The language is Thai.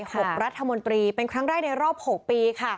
หกรัฐมนตรีเป็นครั้งแรกในรอบหกปีค่ะ